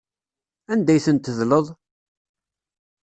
Anda ay tent-tedleḍ?